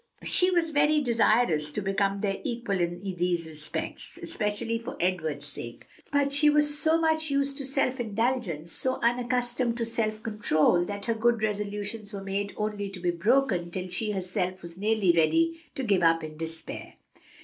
She was very desirous to become their equal in these respects, especially for Edward's sake, but she was so much used to self indulgence, so unaccustomed to self control, that her good resolutions were made only to be broken till she herself was nearly ready to give up in despair.